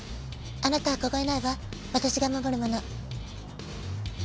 あなたはこごえないわ、私が守るもの。